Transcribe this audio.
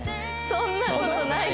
そんなことない？